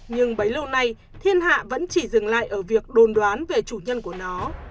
nhưng bấy lâu nay thiên hạ vẫn chỉ dừng lại ở việc đồn đoán về chủ nhân của nó